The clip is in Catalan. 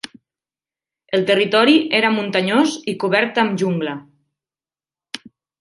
El territori era muntanyós i cobert amb jungla.